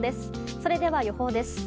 それでは予報です。